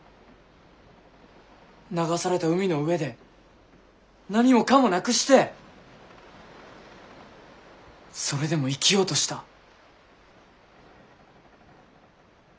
流された海の上で何もかもなくしてそれでも生きようとした。